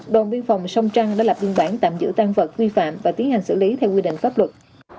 đồn biên phòng sông trăng đã lập biên bản tạm giữ tăng vật vi phạm và tiến hành xử lý theo quy định pháp luật